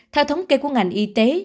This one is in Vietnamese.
theo thống kê của ngành y tế